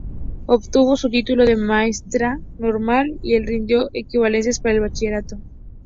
Obtuvo su título de maestra normal, y rindió equivalencias para el bachillerato.